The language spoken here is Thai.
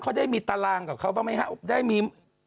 เขาได้มีตารางกับเขาบ้างไหมครับได้มี